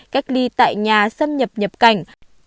cách ly tại nhà xâm nhập nhập cảnh